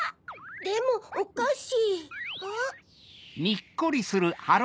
でもおかし。